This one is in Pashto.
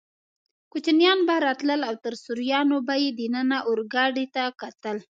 کوچنیان به راتلل او تر سوریانو به یې دننه اورګاډي ته کتل.